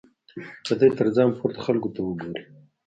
که دی تر ځان پورته خلکو ته وګوري.